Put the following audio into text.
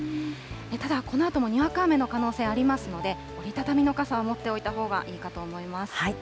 ただ、このあともにわか雨の可能性がありますので、折り畳みの傘を持っておいたほうがいいかと思います。